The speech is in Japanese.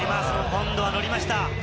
今度は乗りました。